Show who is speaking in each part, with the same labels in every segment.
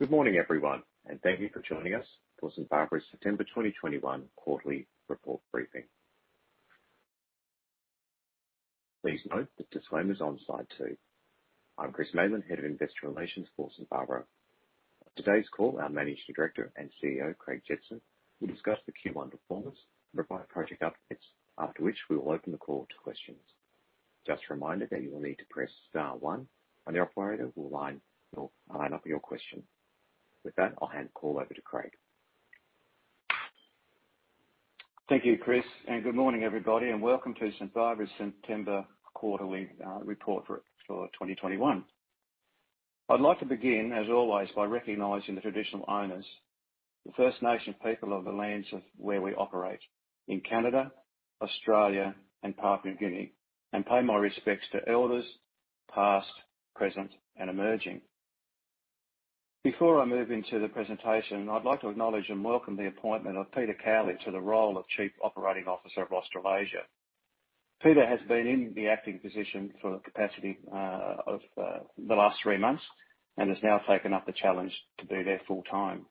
Speaker 1: Good morning, everyone, thank you for joining us for St Barbara's September 2021 quarterly report briefing. Please note the disclaimer is on slide two. I'm Chris Maitland, Head of Investor Relations for St Barbara. On today's call, our Managing Director and CEO, Craig Jetson, will discuss the Q1 performance, provide project updates. Just a reminder that you will need to press star one and the operator will line up your question. With that, I'll hand the call over to Craig.
Speaker 2: Thank you, Chris. Good morning, everybody, and welcome to St Barbara's September quarterly report for 2021. I'd like to begin, as always, by recognizing the traditional owners, the First Nation people of the lands of where we operate in Canada, Australia and Papua New Guinea, and pay my respects to elders past, present and emerging. Before I move into the presentation, I'd like to acknowledge and welcome the appointment of Peter Cowley to the role of Chief Operating Officer, Australasia. Peter has been in the acting position for the capacity of the last three months and has now taken up the challenge to be there full time.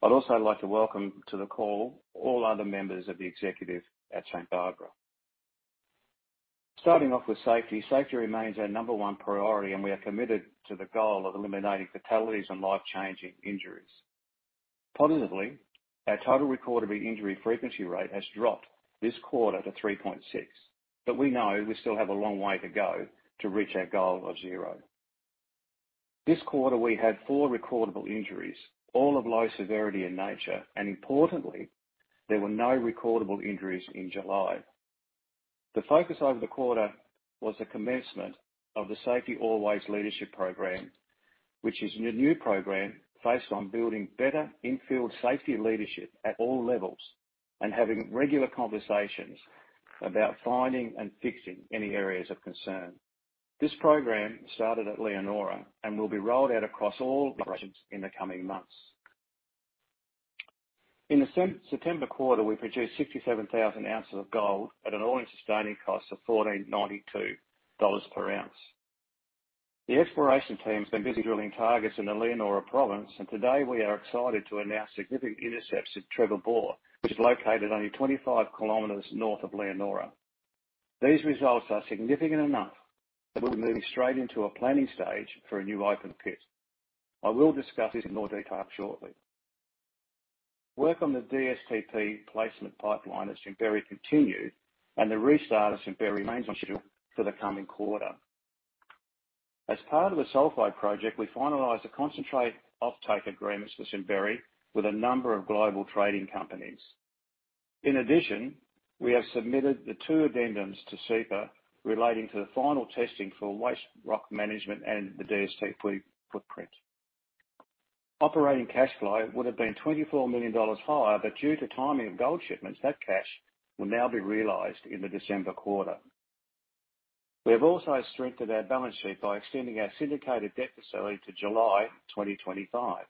Speaker 2: I'd also like to welcome to the call all other members of the executive at St Barbara. Starting off with safety. Safety remains our number one priority, and we are committed to the goal of eliminating fatalities and life-changing injuries. Positively, our total recordable injury frequency rate has dropped this quarter to 3.6, but we know we still have a long way to go to reach our goal of zero. This quarter, we had four recordable injuries, all of low severity in nature, and importantly, there were no recordable injuries in July. The focus over the quarter was the commencement of the Safety Always Leadership program, which is a new program focused on building better infield safety leadership at all levels and having regular conversations about finding and fixing any areas of concern. This program started at Leonora and will be rolled out across all operations in the coming months. In the September quarter, we produced 67,000 ounces of gold at an all-in sustaining cost of 1,492 dollars per ounce. The exploration team's been busy drilling targets in the Leonora Province. Today we are excited to announce significant intercepts at Trevor Bore, which is located only 25 kilometers north of Leonora. These results are significant enough that we'll be moving straight into a planning stage for a new open pit. I will discuss this in more detail shortly. Work on the DSTP placement pipeline at Simberi continued. The restart at Simberi remains on schedule for the coming quarter. As part of the sulfide project, we finalized the concentrate offtake agreements for Simberi with a number of global trading companies. In addition, we have submitted the two addendums to CEPA relating to the final testing for waste rock management and the DSTP footprint. Operating cash flow would have been 24 million dollars higher. Due to timing of gold shipments, that cash will now be realized in the December quarter. We have also strengthened our balance sheet by extending our syndicated debt facility to July 2025.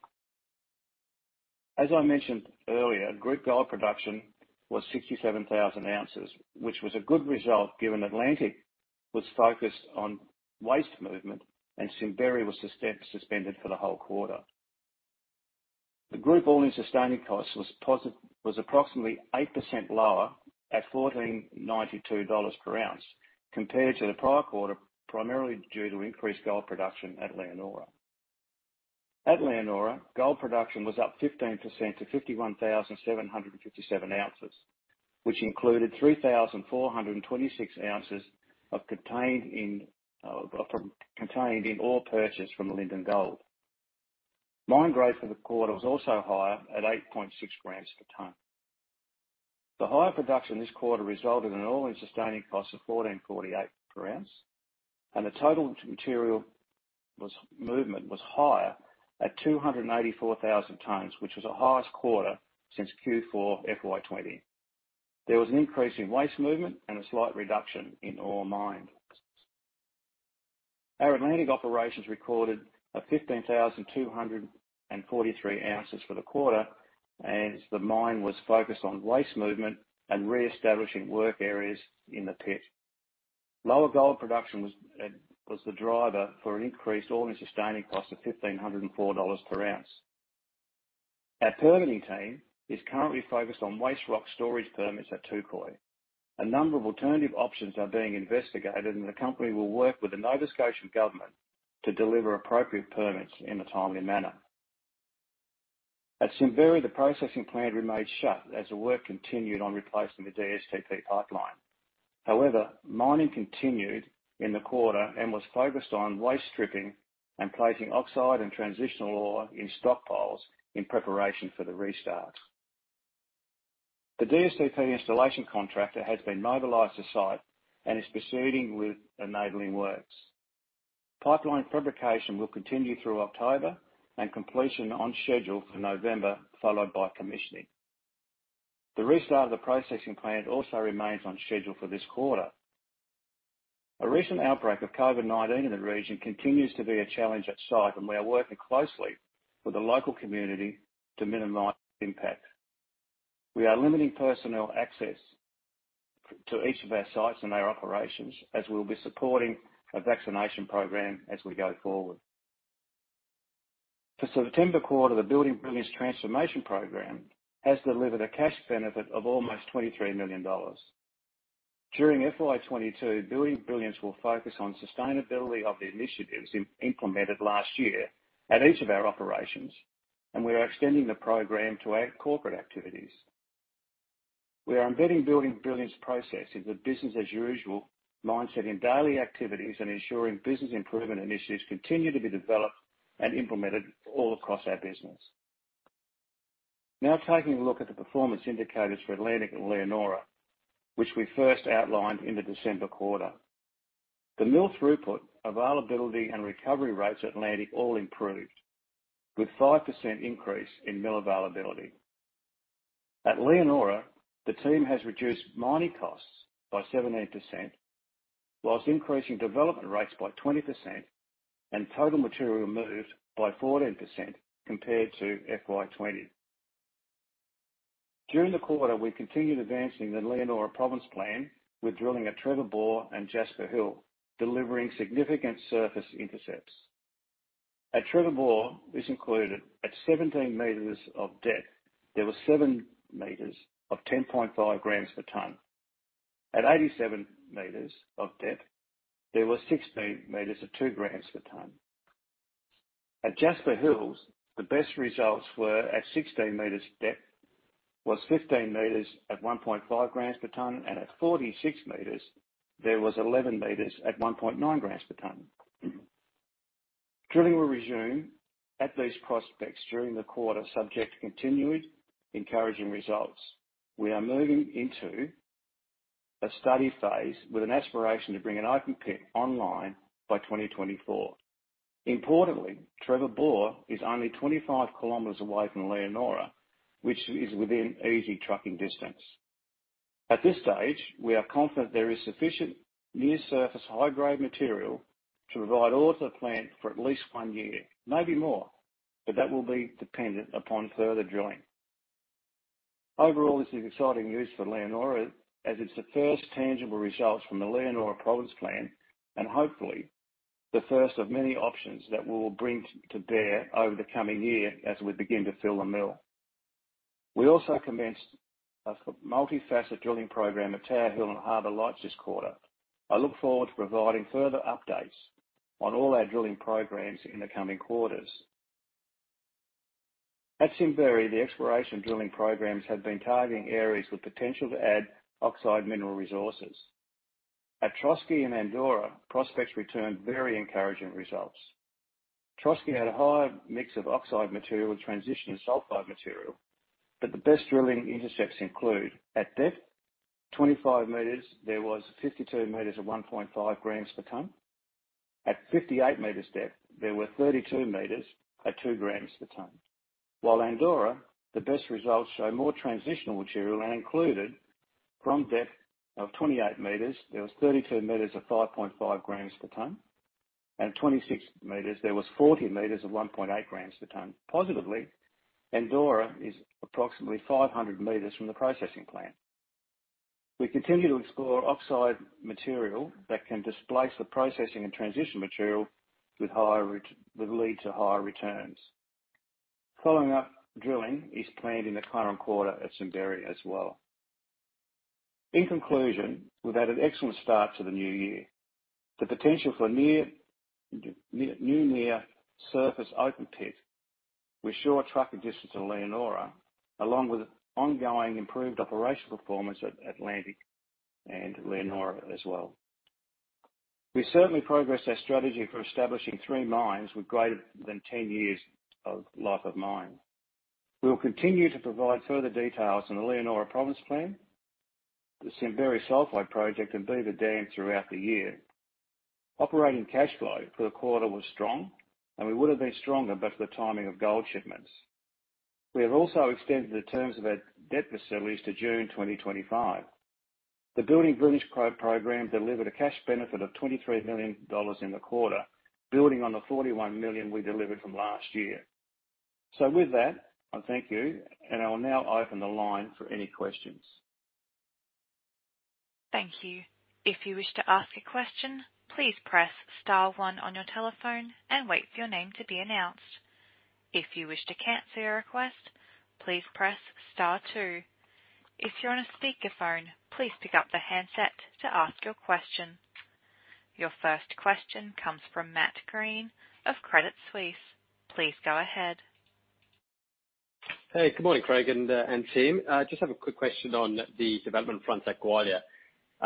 Speaker 2: As I mentioned earlier, group gold production was 67,000 ounces, which was a good result given Atlantic was focused on waste movement and Simberi was suspended for the whole quarter. The group all-in sustaining cost was approximately 8% lower at 1,492 dollars per ounce compared to the prior quarter, primarily due to increased gold production at Leonora. At Leonora, gold production was up 15% to 51,757 ounces, which included 3,426 ounces contained in ore purchased from Linden Gold. Mine grade for the quarter was also higher at 8.6 g per ton. The higher production this quarter resulted in all-in sustaining costs of 1,448 per ounce, and the total material movement was higher at 284,000 t, which was the highest quarter since Q4 FY 2020. There was an increase in waste movement and a slight reduction in ore mined. Our Atlantic operations recorded 15,243 ounces for the quarter, as the mine was focused on waste movement and reestablishing work areas in the pit. Lower gold production was the driver for an increased all-in sustaining cost of 1,504 dollars per ounce. Our permitting team is currently focused on waste rock storage permits at Touquoy. A number of alternative options are being investigated. The company will work with the Nova Scotia government to deliver appropriate permits in a timely manner. At Simberi, the processing plant remained shut as work continued on replacing the DSTP pipeline. However, mining continued in the quarter and was focused on waste stripping and placing oxide and transitional ore in stockpiles in preparation for the restart. The DSTP installation contractor has been mobilized to site and is proceeding with enabling works. Pipeline fabrication will continue through October and completion on schedule for November, followed by commissioning. The restart of the processing plant also remains on schedule for this quarter. A recent outbreak of COVID-19 in the region continues to be a challenge at site, and we are working closely with the local community to minimize impact. We are limiting personnel access to each of our sites and our operations, as we'll be supporting a vaccination program as we go forward. For September quarter, the Building Brilliance transformation program has delivered a cash benefit of almost 23 million dollars. During FY 2022, Building Brilliance will focus on sustainability of the initiatives implemented last year at each of our operations, and we are extending the program to our corporate activities. We are embedding Building Brilliance processes with business as usual mindset in daily activities and ensuring business improvement initiatives continue to be developed and implemented all across our business. Taking a look at the performance indicators for Atlantic and Leonora, which we first outlined in the December quarter. The mill throughput, availability, and recovery rates at Atlantic all improved, with 5% increase in mill availability. At Leonora, the team has reduced mining costs by 17% whilst increasing development rates by 20% and total material moved by 14% compared to FY 2020. During the quarter, we continued advancing the Leonora Province Plan with drilling at Trevor Bore and Jasper Hill, delivering significant surface intercepts. At Trevor Bore, this included at 17 m of depth, there were 7 m of 10.5 g per tonne. At 87 m of depth, there were 60 m at 2 g per tonne. At Jasper Hills, the best results were, at 16 m depth, was 15 m at 1.5 g per tonne, and at 46 m there was 11 m at 1.9 g per tonne. Drilling will resume at these prospects during the quarter, subject to continued encouraging results. We are moving into a study phase with an aspiration to bring an open pit online by 2024. Importantly, Trevor Bore is only 25 km away from Leonora, which is within easy trucking distance. At this stage, we are confident there is sufficient near-surface, high-grade material to provide ore to the plant for at least one year, maybe more, but that will be dependent upon further drilling. Overall, this is exciting news for Leonora as it's the first tangible results from the Leonora Province Plan and hopefully the first of many options that we'll bring to bear over the coming year as we begin to fill the mill. We also commenced a multi-facet drilling program at Tower Hill and Harbour Lights this quarter. I look forward to providing further updates on all our drilling programs in the coming quarters. At Simberi, the exploration drilling programs have been targeting areas with potential to add oxide mineral resources. At Trotsky and Andorra, prospects returned very encouraging results. Trotsky had a high mix of oxide material and transition sulfide material, the best drilling intercepts include at depth 25 m, there was 52 m at 1.5 g per tonne. At 58 m depth, there were 32 m at 2 g per tonne. Andorra, the best results show more transitional material and included from depth of 28 m there was 32 m at 5.5 g/t and at 26 m, there was 40 m at 1.8 g/t. Positively, Andorra is approximately 500 m from the processing plant. We continue to explore oxide material that can displace the processing and transition material that lead to higher returns. Following up, drilling is planned in the current quarter at Simberi as well. In conclusion, we've had an excellent start to the new year. The potential for new near surface open pit, with short trucking distance to Leonora, along with ongoing improved operational performance at Atlantic and Leonora as well. We certainly progressed our strategy for establishing three mines with greater than 10 years of life of mine. We will continue to provide further details on the Leonora Province Plan, the Simberi Sulfide Project, and Beaver Dam throughout the year. Operating cash flow for the quarter was strong, and we would have been stronger but for the timing of gold shipments. We have also extended the terms of our debt facilities to June 2025. The Building Brilliance program delivered a cash benefit of 23 million dollars in the quarter, building on the 41 million we delivered from last year. With that, I thank you, and I will now open the line for any questions.
Speaker 3: Thank you. If you wish to ask a question, please press star one on your telephone and wait for your name to be announced. If you wish to cancel your request, please press star two. If you're on a speakerphone, please pick up the handset to ask your question. Your first question comes from Matt Greene of Credit Suisse. Please go ahead.
Speaker 4: Hey, good morning, Craig and team. I just have a quick question on the development fronts at Gwalia.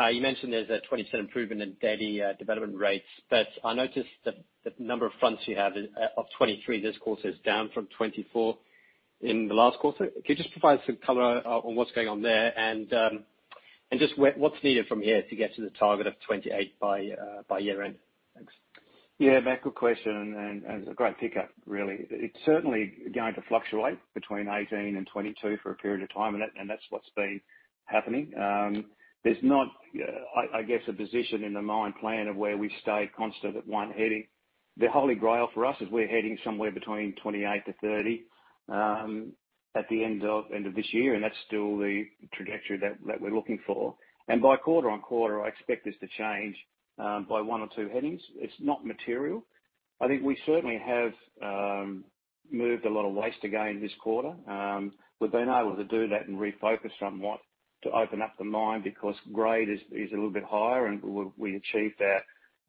Speaker 4: You mentioned there's a 27 improvement in daily development rates, but I noticed that the number of fronts you have of 23 this quarter is down from 24 in the last quarter. Could you just provide some color on what's going on there and just what's needed from here to get to the target of 28 by year-end? Thanks.
Speaker 2: Yeah, Matt, good question and it's a great pickup, really. It's certainly going to fluctuate between 18 and 22 for a period of time, and that's what's been happening. There's not, I guess, a position in the mine plan of where we stay constant at one heading. The holy grail for us is we're heading somewhere between 28-30 at the end of this year, and that's still the trajectory that we're looking for. By quarter on quarter, I expect this to change by one or two headings. It's not material. I think we certainly have moved a lot of waste again this quarter. We've been able to do that and refocus somewhat to open up the mine because grade is a little bit higher and we achieved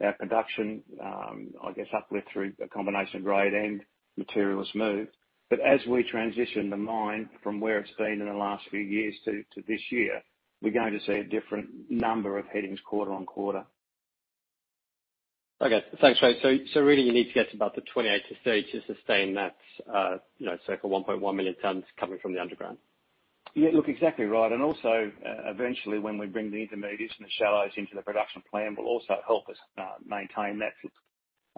Speaker 2: our production, I guess, uplift through a combination of grade and material is moved. As we transition the mine from where it's been in the last few years to this year, we're going to see a different number of headings quarter on quarter.
Speaker 4: Okay. Thanks, Craig. Really you need to get to about the 28-30 to sustain that circle, 1.1 million tonnes coming from the underground.
Speaker 2: Yeah, look, exactly right. Eventually when we bring the intermediates and the shallows into the production plan, will also help us maintain that,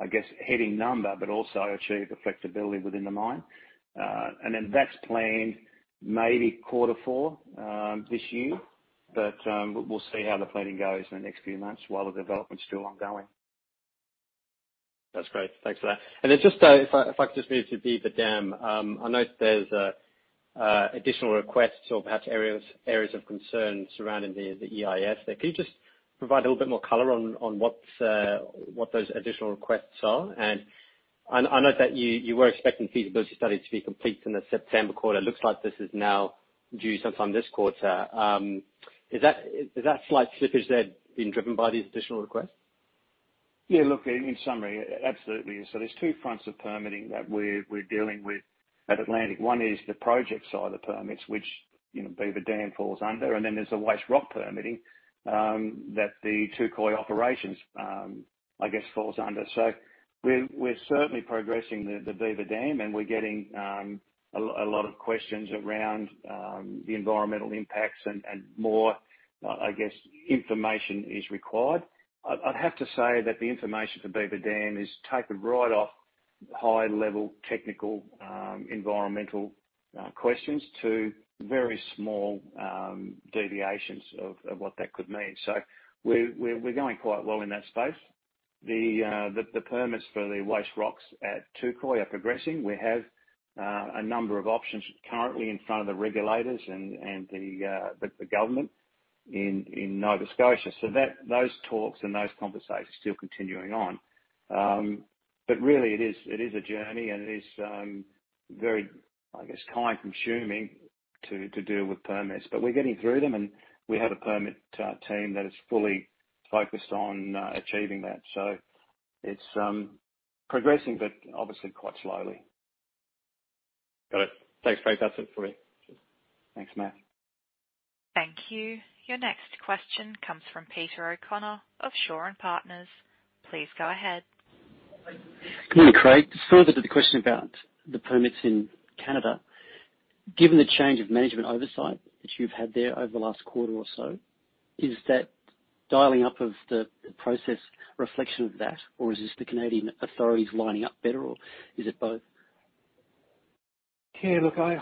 Speaker 2: I guess, heading number, but also achieve the flexibility within the mine. That's planned maybe quarter four this year. We'll see how the planning goes in the next few months while the development's still ongoing.
Speaker 4: That's great. Thanks for that. If I could just move to Beaver Dam. I note there's additional requests or perhaps areas of concern surrounding the EIS. Can you just provide a little bit more color on what those additional requests are? I know that you were expecting feasibility study to be complete in the September quarter. Looks like this is now due sometime this quarter. Has that slight slippage there been driven by the additional requests?
Speaker 2: Yeah, look, in summary, absolutely. There's two fronts of permitting that we're dealing with at Atlantic. One is the project side of the permits, which Beaver Dam falls under, and then there's the waste rock permitting that the Touquoy operations, I guess, falls under. We're certainly progressing the Beaver Dam, and we're getting a lot of questions around the environmental impacts and more, I guess, information is required. I'd have to say that the information for Beaver Dam is taken right off high-level technical environmental questions to very small deviations of what that could mean. We're going quite well in that space. The permits for the waste rocks at Touquoy are progressing. We have a number of options currently in front of the regulators and the government in Nova Scotia, those talks and those conversations are still continuing on. Really it is a journey and it is very, I guess, time-consuming to deal with permits. We're getting through them and we have a permit team that is fully focused on achieving that. It's progressing, but obviously quite slowly.
Speaker 4: Got it. Thanks, Craig. That's it for me.
Speaker 2: Thanks, Matt.
Speaker 3: Thank you. Your next question comes from Peter O'Connor of Shaw and Partners. Please go ahead.
Speaker 5: Good morning, Craig. Just further to the question about the permits in Canada. Given the change of management oversight that you've had there over the last quarter or so, is that dialing up of the process a reflection of that, or is this the Canadian authorities lining up better, or is it both?
Speaker 2: Yeah, look, I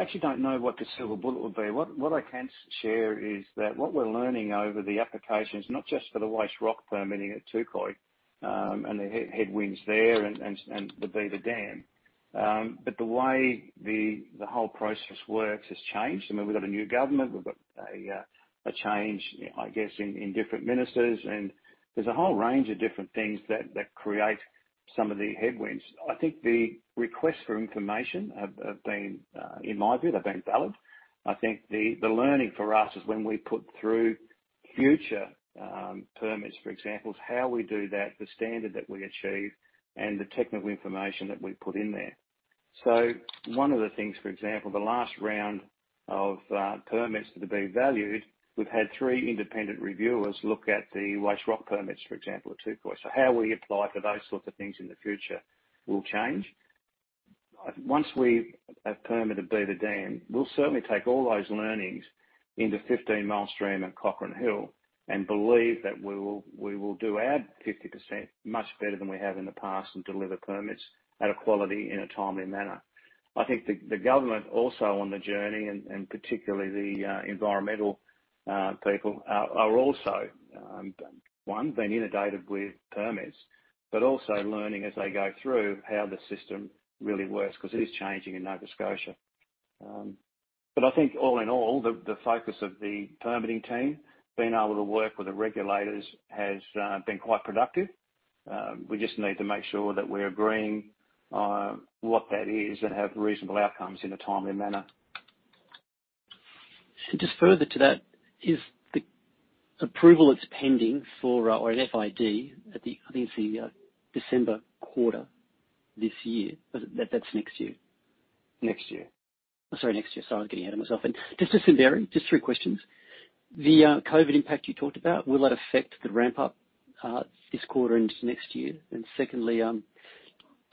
Speaker 2: actually don't know what the silver bullet would be. What I can share is that what we're learning over the applications, not just for the waste rock permitting at Touquoy, and the headwinds there and the Beaver Dam. The way the whole process works has changed. I mean, we've got a new government, we've got a change, I guess, in different ministers, and there's a whole range of different things that create some of the headwinds. I think the requests for information have been, in my view, they've been valid. I think the learning for us is when we put through future permits, for example, is how we do that, the standard that we achieve, and the technical information that we put in there. One of the things, for example, the last round of permits that are being valued, we've had 3 independent reviewers look at the waste rock permits, for example, at Touquoy. Once we have permitted Beaver Dam, we'll certainly take all those learnings into Fifteen Mile Stream and Cochrane Hill and believe that we will do our 50% much better than we have in the past and deliver permits at a quality in a timely manner. I think the government also on the journey, and particularly the environmental people, are also, one, been inundated with permits, but also learning as they go through how the system really works, because it is changing in Nova Scotia. I think all in all, the focus of the permitting team being able to work with the regulators has been quite productive. We just need to make sure that we're agreeing on what that is and have reasonable outcomes in a timely manner.
Speaker 5: Just further to that, is the approval that's pending for an FID at the, I think it's the December quarter this year? That's next year?
Speaker 2: Next year.
Speaker 5: Sorry, next year. Sorry, I'm getting ahead of myself. Just to Simberi, just three questions. The COVID impact you talked about, will that affect the ramp-up this quarter into next year? Secondly,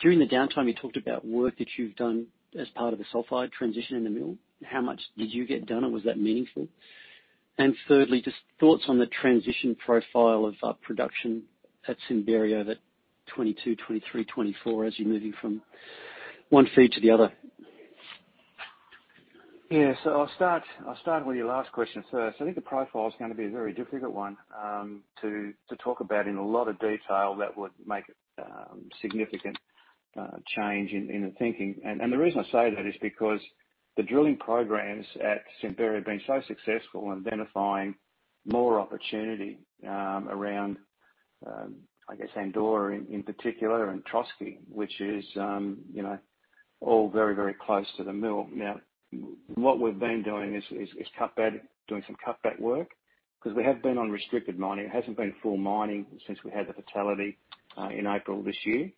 Speaker 5: during the downtime, you talked about work that you've done as part of the sulfide transition in the mill. How much did you get done, and was that meaningful? Thirdly, just thoughts on the transition profile of production at Simberi that 2022, 2023, 2024, as you're moving from one feed to the other.
Speaker 2: I'll start with your last question first. I think the profile is going to be a very difficult one to talk about in a lot of detail that would make a significant change in the thinking. The reason I say that is because the drilling programs at Simberi have been so successful in identifying more opportunity around, I guess, Andorra in particular and Trotsky, which is all very close to the mill. What we've been doing is doing some cutback work because we have been on restricted mining. It hasn't been full mining since we had the fatality in April this year.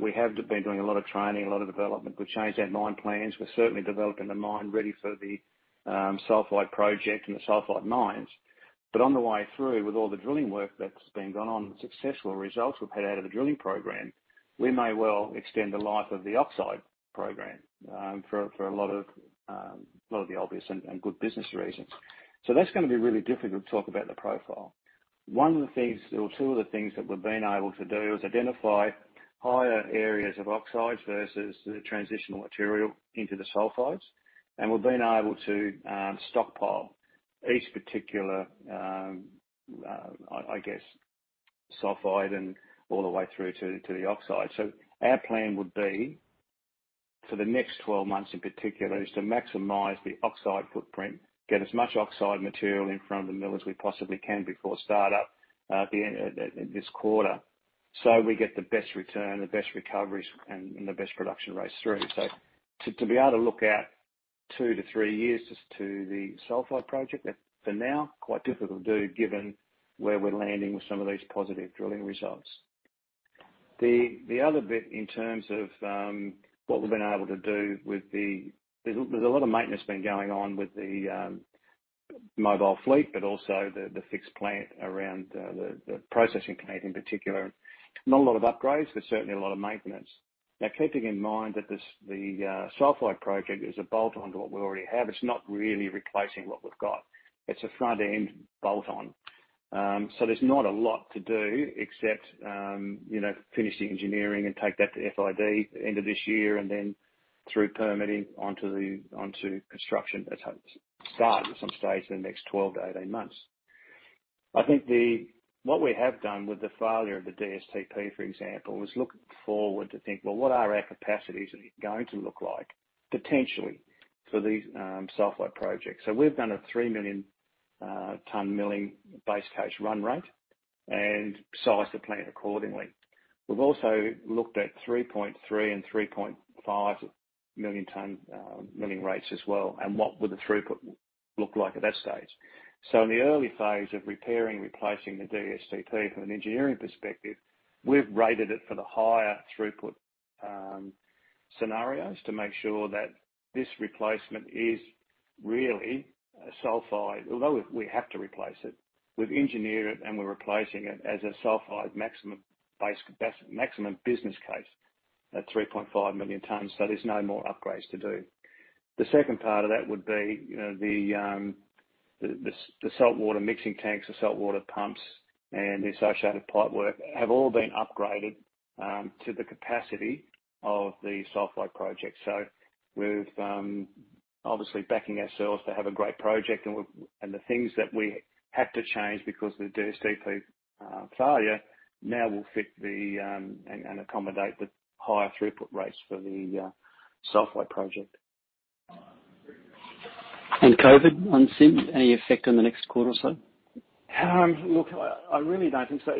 Speaker 2: We have been doing a lot of training, a lot of development. We've changed our mine plans. We're certainly developing the mine ready for the Sulfide Project and the sulfide mines. On the way through, with all the drilling work that's been gone on, successful results we've had out of the drilling program, we may well extend the life of the oxide program for a lot of the obvious and good business reasons. That's going to be really difficult to talk about the profile. One of the things or two of the things that we've been able to do is identify higher areas of oxides versus the transitional material into the sulfides, and we've been able to stockpile each particular, I guess, sulfide and all the way through to the oxide. Our plan would be for the next 12 months in particular, is to maximize the oxide footprint, get as much oxide material in front of the mill as we possibly can before startup at the end of this quarter. We get the best return, the best recoveries, and the best production rates through. To be able to look out 2-3 years as to the Sulfide Project, that for now, quite difficult to do given where we're landing with some of these positive drilling results. The other bit in terms of what we've been able to do with the There's a lot of maintenance been going on with the mobile fleet, but also the fixed plant around the processing plant in particular. Not a lot of upgrades, but certainly a lot of maintenance. Keeping in mind that the Sulfide Project is a bolt-on to what we already have. It's not really replacing what we've got. It's a front-end bolt-on. There's not a lot to do except finish the engineering and take that to FID end of this year, and then through permitting onto construction at some stage in the next 12-18 months. I think what we have done with the failure of the DSTP, for example, is look forward to think, well, what are our capacities going to look like potentially for these Sulfide projects? We've done a three million ton milling base case run rate and sized the plant accordingly. We've also looked at 3.3 and 3.5 million ton milling rates as well, and what would the throughput look like at that stage. In the early phase of repairing, replacing the DSTP from an engineering perspective, we've rated it for the higher throughput scenarios to make sure that this replacement is really a Sulfide, although we have to replace it. We've engineered it, and we're replacing it as a Sulphide maximum business case at 3.5 million tons. There's no more upgrades to do. The second part of that would be the saltwater mixing tanks, the saltwater pumps, and the associated pipework have all been upgraded to the capacity of the Sulphide project. We've obviously backing ourselves to have a great project and the things that we have to change because of the DSTP failure now will fit and accommodate the higher throughput rates for the Sulphide project.
Speaker 5: COVID on Simberi, any effect on the next quarter or so?
Speaker 2: Look, I really don't think so.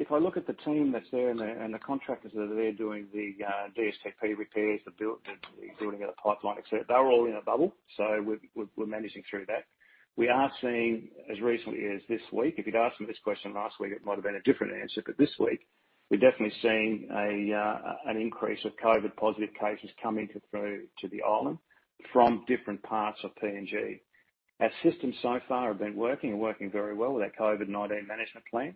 Speaker 2: If I look at the team that's there and the contractors that are there doing the DSTP repairs, rebuilding out a pipeline, et cetera, they're all in a bubble. We're managing through that. We are seeing as recently as this week, if you'd asked me this question last week, it might have been a different answer, but this week we're definitely seeing an increase of COVID-19 positive cases coming through to the island from different parts of PNG. Our systems so far have been working and working very well with our COVID-19 management plan.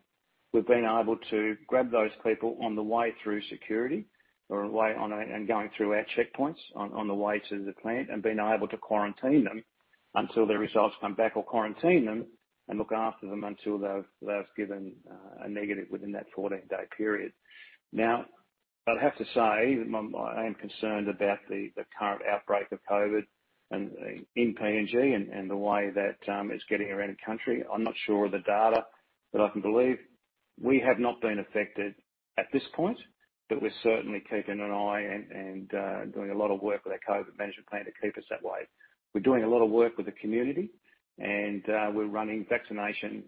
Speaker 2: We've been able to grab those people on the way through security and going through our checkpoints on the way to the plant and been able to quarantine them until the results come back or quarantine them and look after them until they've given a negative within that 14-day period. Now, I'd have to say that I am concerned about the current outbreak of COVID-19 in PNG and the way that it's getting around the country. I'm not sure of the data, but I can believe we have not been affected at this point, but we're certainly keeping an eye and doing a lot of work with our COVID-19 management plan to keep us that way. We're doing a lot of work with the community, and we're running vaccination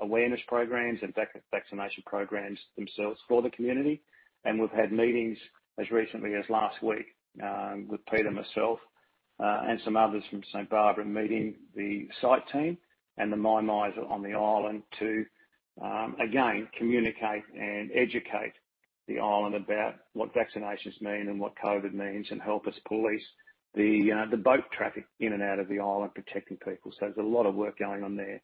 Speaker 2: awareness programs and vaccination programs themselves for the community. We've had meetings as recently as last week with Peter, myself, and some others from St Barbara meeting the site team and the mine guys on the island to, again, communicate and educate the island about what vaccinations mean and what COVID means and help us police the boat traffic in and out of the island, protecting people. There's a lot of work going on there.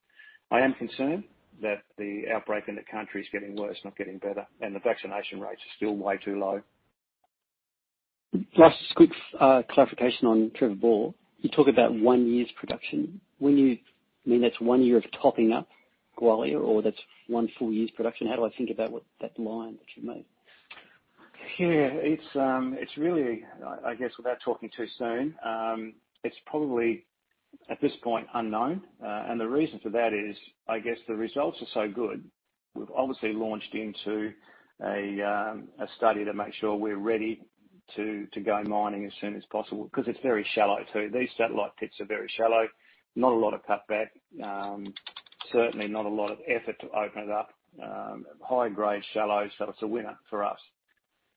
Speaker 2: I am concerned that the outbreak in the country is getting worse, not getting better, and the vaccination rates are still way too low.
Speaker 5: Last quick clarification on Trevor Bore. You talk about one year's production. When you-- mean, that's one year of topping up Gwalia or that's one full year's production? How do I think about that line that you made?
Speaker 2: Yeah. I guess without talking too soon, it's probably, at this point, unknown. The reason for that is, I guess the results are so good. We've obviously launched into a study to make sure we're ready to go mining as soon as possible, because it's very shallow too. These satellite pits are very shallow. Not a lot of cut back. Certainly not a lot of effort to open it up. High-grade shallow, so it's a winner for us.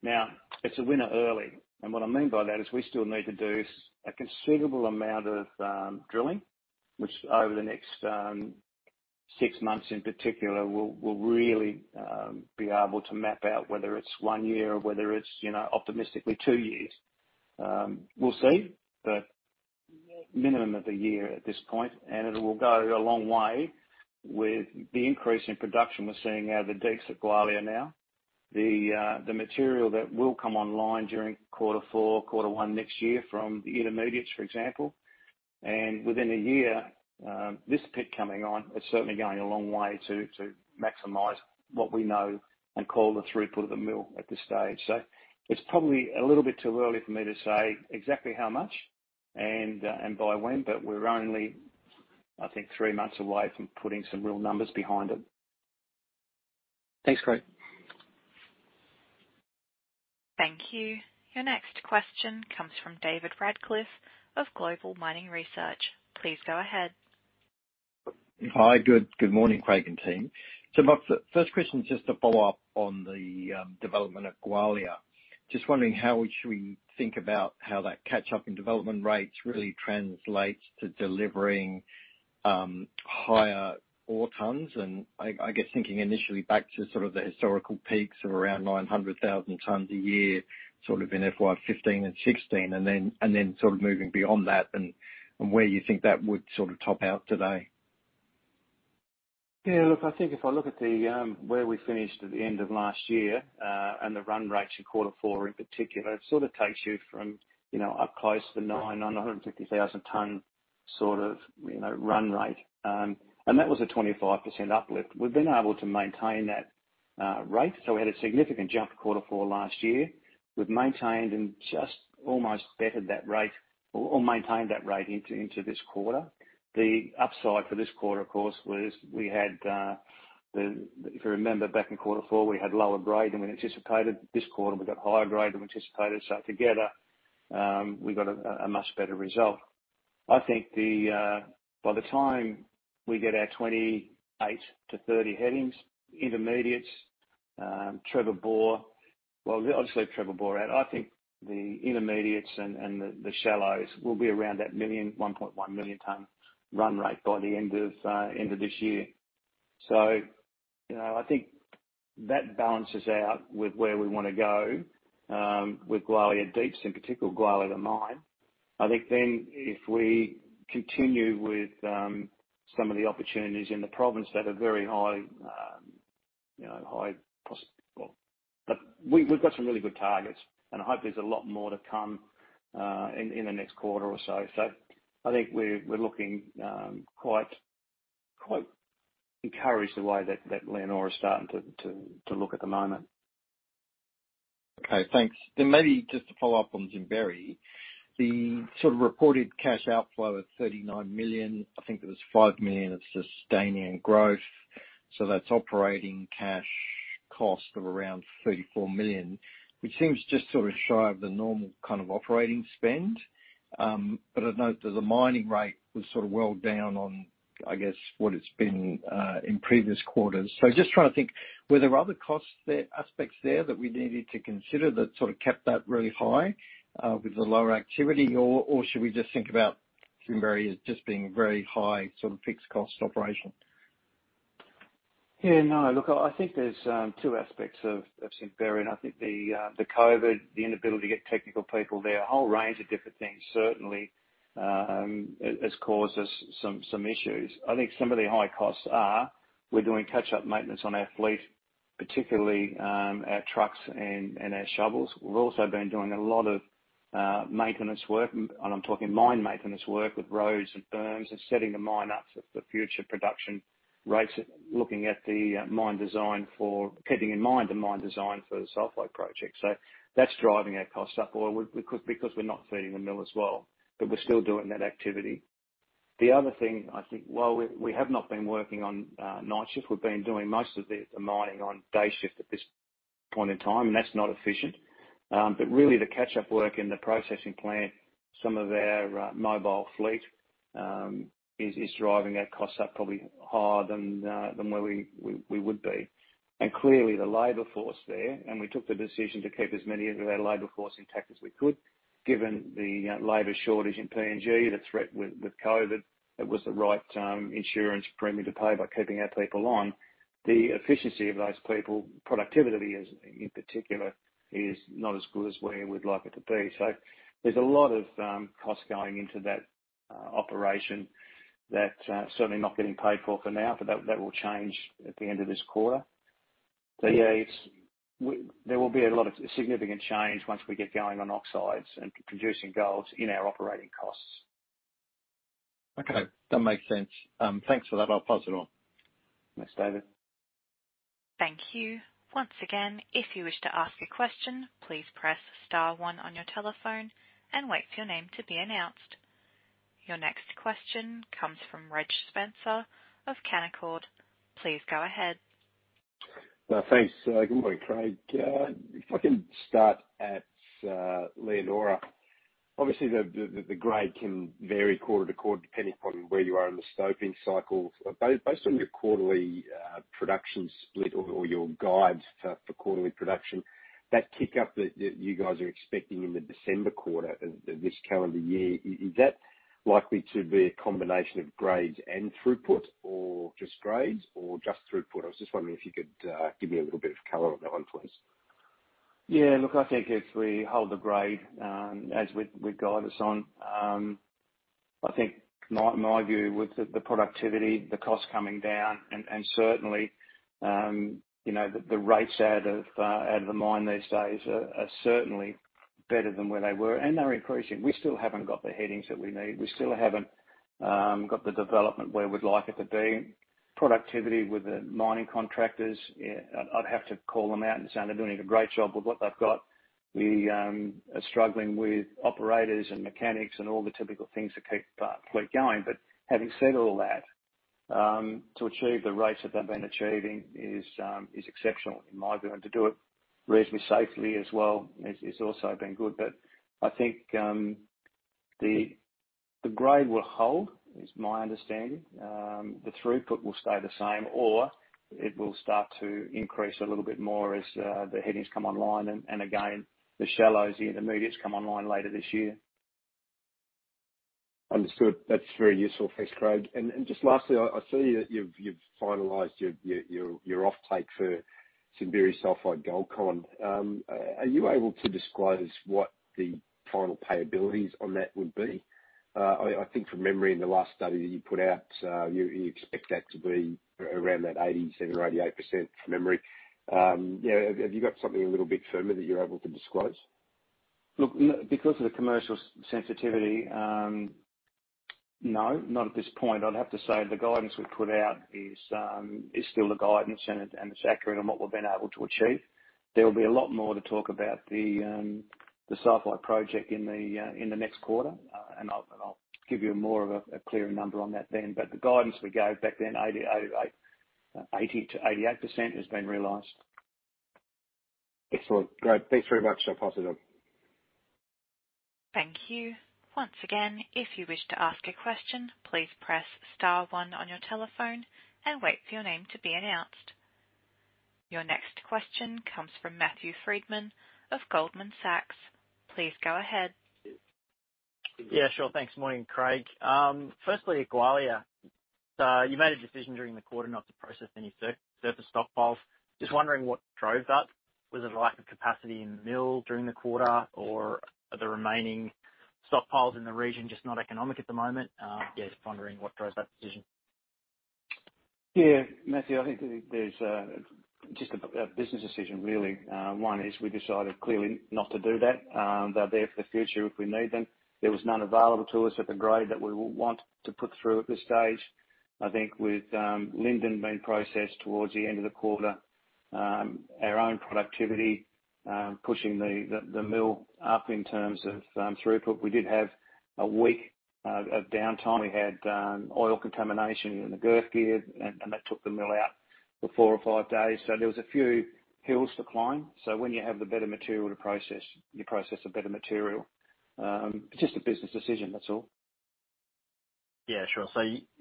Speaker 2: Now, it's a winner early. What I mean by that is we still need to do a considerable amount of drilling, which over the next six months in particular, we'll really be able to map out whether it's one year or whether it's optimistically two years. We'll see. Minimum of a year at this point, and it will go a long way with the increase in production we're seeing out of the Deeps at Gwalia now. The material that will come online during quarter four, quarter one next year from the intermediates, for example. And within a year, this pit coming on is certainly going a long way to maximize what we know and call the throughput of the mill at this stage. So it's probably a little bit too early for me to say exactly how much and by when, but we're only, I think, three months away from putting some real numbers behind it.
Speaker 5: Thanks, Craig.
Speaker 3: Thank you. Your next question comes from David Radcliffe of Global Mining Research. Please go ahead.
Speaker 6: Hi. Good morning, Craig and team. My first question is just to follow up on the development of Gwalia. Just wondering how we should think about how that catch-up in development rates really translates to delivering higher ore tons, and, I guess, thinking initially back to sort of the historical peaks of around 900,000 t a year, sort of in FY 2015 and 2016, and then sort of moving beyond that and when you think that would sort of top out today?
Speaker 2: Yeah, look, I think if I look at where we finished at the end of last year, and the run rates in quarter four in particular, it sort of takes you from up close to the 950,000 t sort of run rate. That was a 25% uplift. We've been able to maintain that rate. We had a significant jump quarter four last year. We've maintained and just almost bettered that rate or maintained that rate into this quarter. The upside for this quarter, of course, was if you remember back in quarter four, we had lower grade than we anticipated. This quarter, we got higher grade than we anticipated. Together, we got a much better result. I think by the time we get our 28-30 headings, intermediates, Trevor Bore, well, obviously Trevor Bore out, I think the intermediates and the Shallows will be around that 1 million-1.1 million ton run rate by the end of this year. I think that balances out with where we want to go with Gwalia Deep, in particular Gwalia the mine. I think then if we continue with some of the opportunities in the province that are very high. We've got some really good targets. I hope there's a lot more to come in the next quarter or so. I think we're looking quite encouraged the way that Leonora is starting to look at the moment.
Speaker 6: Okay, thanks. Maybe just to follow up on Simberi. The sort of reported cash outflow of 39 million, I think there was 5 million of sustaining growth. That's operating cash cost of around 34 million, which seems just sort of shy of the normal kind of operating spend. I note that the mining rate was sort of well down on, I guess, what it's been in previous quarters. Just trying to think, were there other cost aspects there that we needed to consider that sort of kept that really high with the lower activity? Should we just think about Simberi as just being very high sort of fixed cost operation.
Speaker 2: Look, I think there's two aspects of Simberi, and I think the COVID, the inability to get technical people there, a whole range of different things, certainly, has caused us some issues. I think some of the high costs are we're doing catch-up maintenance on our fleet, particularly our trucks and our shovels. We've also been doing a lot of maintenance work, and I'm talking mine maintenance work with roads and berms and setting the mine up for future production rates, looking at the mine design keeping in mind the mine design for the sulfide project. That's driving our costs up, because we're not feeding the mill as well, but we're still doing that activity. The other thing, I think, while we have not been working on night shift, we've been doing most of the mining on day shift at this point in time, that's not efficient. Really, the catch-up work in the processing plant, some of our mobile fleet, is driving our costs up probably higher than where we would be. Clearly, the labor force there, and we took the decision to keep as many of our labor force intact as we could, given the labor shortage in PNG, the threat with COVID, it was the right insurance premium to pay by keeping our people on. The efficiency of those people, productivity in particular, is not as good as where we'd like it to be. There's a lot of costs going into that operation that's certainly not getting paid for for now, but that will change at the end of this quarter. Yes, there will be a lot of significant change once we get going on oxides and producing gold in our operating costs.
Speaker 6: Okay. That makes sense. Thanks for that. I'll pass it on.
Speaker 2: Thanks, David.
Speaker 3: Thank you. Once again, if you wish to ask a question, please press star one on your telephone and wait for your name to be announced. Your next question comes from Reg Spencer of Canaccord. Please go ahead.
Speaker 7: Thanks. Good morning, Craig. If I can start at Leonora. Obviously, the grade can vary quarter to quarter depending upon where you are in the stoping cycle. Based on your quarterly production split or your guides for quarterly production, that kick-up that you guys are expecting in the December quarter of this calendar year, is that likely to be a combination of grades and throughput, or just grades or just throughput? I was just wondering if you could give me a little bit of color on that one, please.
Speaker 2: Yeah, look, I think if we hold the grade, as we've guided on, I think my view with the productivity, the cost coming down, and certainly, the rates out of the mine these days are certainly better than where they were, and they're increasing. We still haven't got the headings that we need. We still haven't got the development where we'd like it to be. Productivity with the mining contractors, I'd have to call them out and say they're doing a great job with what they've got. We are struggling with operators and mechanics and all the typical things to keep the fleet going. Having said all that, to achieve the rates that they've been achieving is exceptional in my view. To do it reasonably safely as well has also been good. I think the grade will hold, is my understanding. The throughput will stay the same, or it will start to increase a little bit more as the headings come online, and again, the shallows, the intermediates come online later this year.
Speaker 7: Understood. That's very useful. Thanks, Craig. Just lastly, I see that you've finalized your offtake for Simberi Sulphide Gold Concentrate. Are you able to disclose what the final payabilities on that would be? I think from memory, in the last study that you put out, you expect that to be around that 87% or 88%, from memory. Have you got something a little bit firmer that you're able to disclose?
Speaker 2: Look, because of the commercial sensitivity, no, not at this point. I'd have to say the guidance we put out is still the guidance, and it's accurate on what we've been able to achieve. There will be a lot more to talk about the Sulphide project in the next quarter, and I'll give you more of a clearer number on that then. The guidance we gave back then, 80%-88%, has been realized.
Speaker 7: Excellent. Great. Thanks very much. I'll pass it on.
Speaker 3: Thank you. Once again, if you wish to ask a question, please press star one on your telephone and wait for your name to be announced. Your next question comes from Matthew Freedman of Goldman Sachs. Please go ahead.
Speaker 8: Yeah, sure. Thanks. Morning, Craig. Firstly, Gwalia. You made a decision during the quarter not to process any surface stockpiles. Just wondering what drove that. Was it a lack of capacity in the mill during the quarter, or are the remaining stockpiles in the region just not economic at the moment? Just wondering what drove that decision.
Speaker 2: Yeah, Matthew, I think there's just a business decision, really. One is we decided clearly not to do that. They're there for the future if we need them. There was none available to us at the grade that we want to put through at this stage. I think with Linden being processed towards the end of the quarter, our own productivity, pushing the mill up in terms of throughput. We did have a week of downtime. We had oil contamination in the girth gear, and that took the mill out for four or five days. There was a few hills to climb. When you have the better material to process, you process the better material. It's just a business decision, that's all.
Speaker 8: Yeah, sure.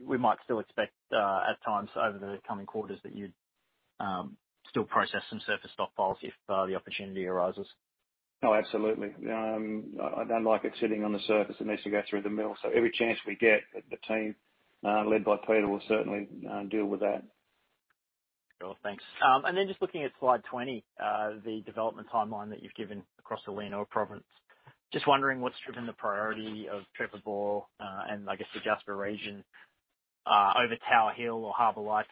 Speaker 8: We might still expect, at times over the coming quarters, that you'd still process some surface stockpiles if the opportunity arises?
Speaker 2: Oh, absolutely. I don't like it sitting on the surface. It needs to go through the mill. Every chance we get, the team, led by Peter, will certainly deal with that.
Speaker 8: Cool. Thanks. Just looking at slide 20, the development timeline that you've given across the Leonora Province. Just wondering what's driven the priority of Trevor Bore, and I guess the Jasper region, over Tower Hill or Harbor Lights,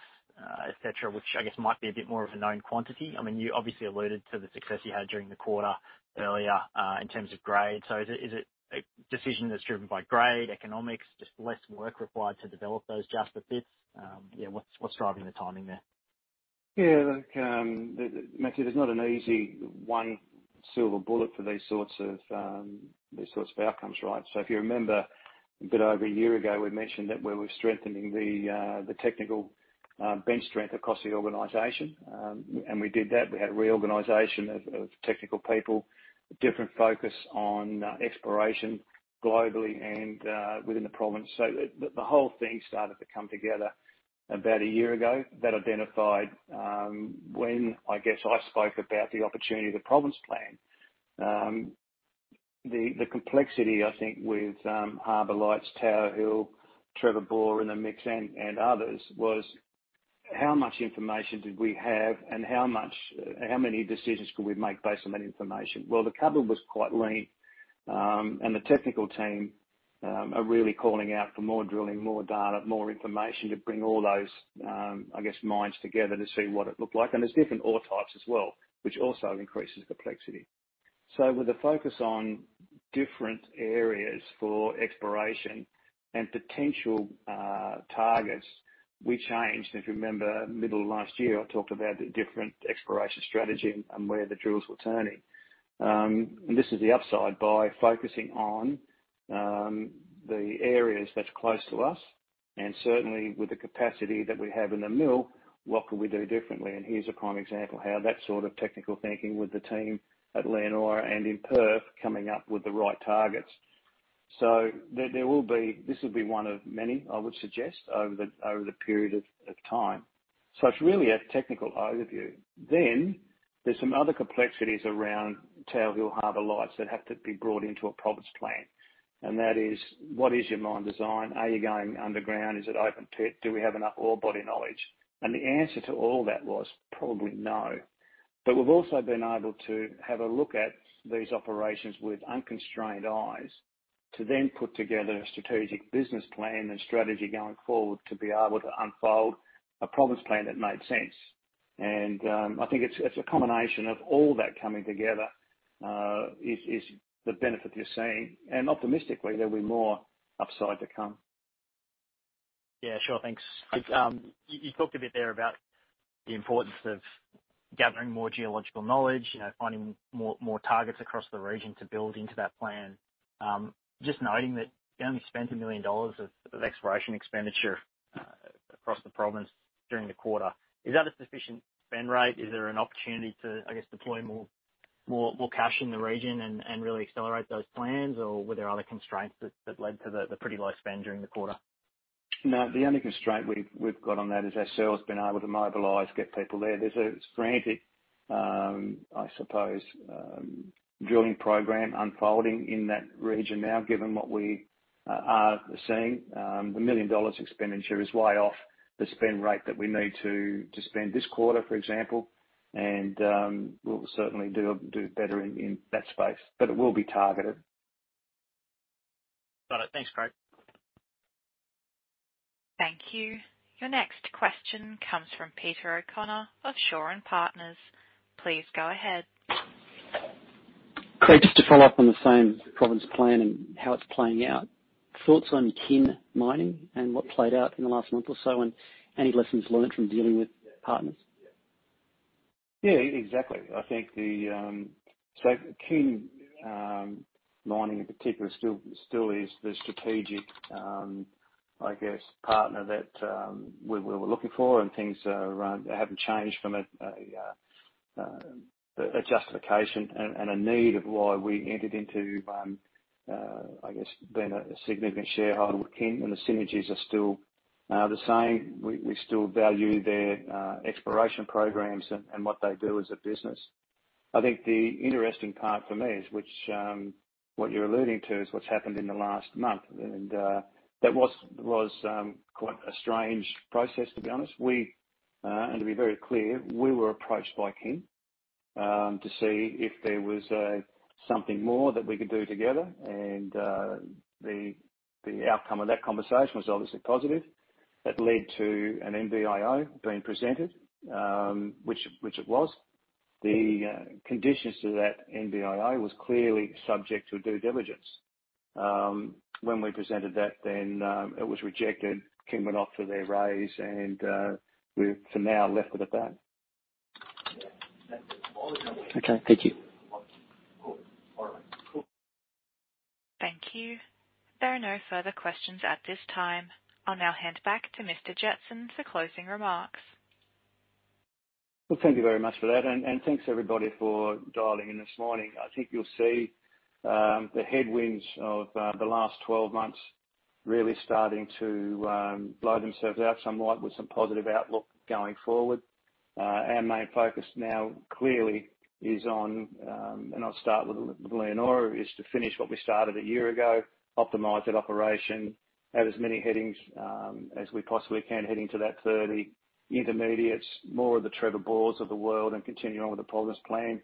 Speaker 8: et cetera, which I guess might be a bit more of a known quantity. I mean, you obviously alluded to the success you had during the quarter earlier, in terms of grade. Is it a decision that's driven by grade, economics, just less work required to develop those Jasper bits? What's driving the timing there?
Speaker 2: Look, Matthew, there's not an easy one silver bullet for these sorts of outcomes, right. If you remember a bit over one year ago, we mentioned that we were strengthening the technical bench strength across the organization. We did that. We had a reorganization of technical people, a different focus on exploration globally and within the province. The whole thing started to come together about one year ago. That identified when, I guess, I spoke about the opportunity of the Leonora Province Plan. The complexity, I think, with Harbor Lights, Tower Hill, Trevor Bore in the mix, and others was how much information did we have and how many decisions could we make based on that information? Well, the cupboard was quite lean, and the technical team are really calling out for more drilling, more data, more information to bring all those, I guess, mines together to see what it looked like. There's different ore types as well, which also increases the complexity. With a focus on different areas for exploration and potential targets, we changed. If you remember, middle of last year, I talked about the different exploration strategy and where the drills were turning. This is the upside by focusing on the areas that's close to us and certainly with the capacity that we have in the mill, what can we do differently? Here's a prime example of how that sort of technical thinking with the team at Leonora and in Perth coming up with the right targets. This will be one of many, I would suggest, over the period of time. There's some other complexities around Tower Hill, Harbour Lights that have to be brought into a Province Plan. That is, what is your mine design? Are you going underground? Is it open pit? Do we have enough ore body knowledge? The answer to all that was probably no. We've also been able to have a look at these operations with unconstrained eyes to then put together a strategic business plan and strategy going forward to be able to unfold a Province Plan that made sense. I think it's a combination of all that coming together, is the benefit you're seeing. Optimistically, there'll be more upside to come.
Speaker 8: Yeah, sure. Thanks. You talked a bit there about the importance of gathering more geological knowledge, finding more targets across the region to build into that plan. Just noting that you only spent 1 million dollars of exploration expenditure across the province during the quarter. Is that a sufficient spend rate? Is there an opportunity to, I guess, deploy more cash in the region and really accelerate those plans? Were there other constraints that led to the pretty low spend during the quarter?
Speaker 2: No, the only constraint we've got on that is ourselves being able to mobilize, get people there. There's a stranded, I suppose, drilling program unfolding in that region now, given what we are seeing. The 1 million dollars expenditure is way off the spend rate that we need to spend this quarter, for example. We'll certainly do better in that space. It will be targeted.
Speaker 8: Got it. Thanks, Craig.
Speaker 3: Thank you. Your next question comes from Peter O'Connor of Shaw and Partners. Please go ahead.
Speaker 5: Craig, just to follow up on the same province plan and how it's playing out. Thoughts on Kin Mining and what played out in the last month or so, and any lessons learned from dealing with partners?
Speaker 2: Yeah, exactly. I think Kin Mining in particular still is the strategic, I guess, partner that we were looking for. Things haven't changed from a justification and a need of why we entered into being a significant shareholder with Kin. The synergies are still the same. We still value their exploration programs and what they do as a business. I think the interesting part for me is, what you're alluding to, is what's happened in the last month. That was quite a strange process, to be honest. To be very clear, we were approached by Kin, to see if there was something more that we could do together. The outcome of that conversation was obviously positive. That led to an NBIO being presented, which it was. The conditions to that NBIO was clearly subject to due diligence. When we presented that, it was rejected. Kin went off for their raise and we're, for now, left with it back.
Speaker 5: Okay. Thank you.
Speaker 3: Thank you. There are no further questions at this time. I'll now hand back to Craig Jetson for closing remarks.
Speaker 2: Well, thank you very much for that, and thanks everybody for dialing in this morning. I think you'll see the headwinds of the last 12 months really starting to blow themselves out somewhat with some positive outlook going forward. Our main focus now clearly is on, and I'll start with Leonora, is to finish what we started a year ago, optimize that operation, have as many headings as we possibly can heading to that 30 intermediates, more of the Trevor Bores of the world, and continue on with the Province Plan.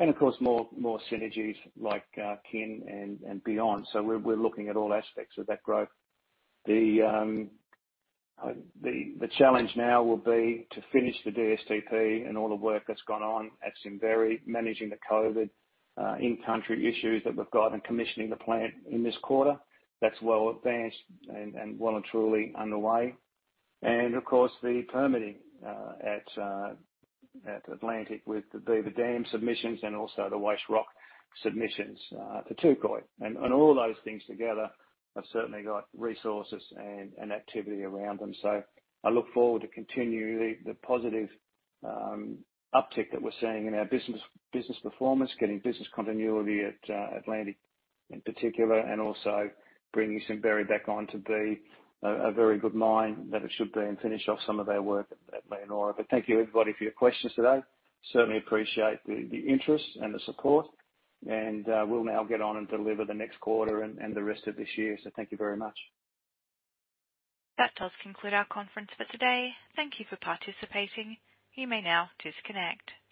Speaker 2: Of course, more synergies like Kin and beyond. We're looking at all aspects of that growth. The challenge now will be to finish the DSTP and all the work that's gone on at Simberi, managing the COVID in-country issues that we've got in commissioning the plant in this quarter. That's well advanced and well and truly underway. Of course, the permitting at Atlantic with the Beaver Dam submissions and also the waste rock submissions for Touquoy. All those things together have certainly got resources and activity around them. I look forward to continuing the positive uptick that we're seeing in our business performance, getting business continuity at Atlantic in particular, and also bringing Simberi back on to be a very good mine that it should be and finish off some of our work at Leonora. Thank you everybody for your questions today. Certainly appreciate the interest and the support. We'll now get on and deliver the next quarter and the rest of this year. Thank you very much.
Speaker 3: That does conclude our conference for today. Thank you for participating. You may now disconnect.